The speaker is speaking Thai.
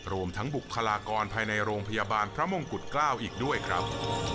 รวมทั้งบุคลากรภายในโรงพยาบาลพระมงกุฎเกล้าอีกด้วยครับ